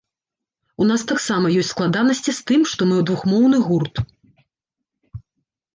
У нас таксама ёсць складанасці з тым, што мы двухмоўны гурт.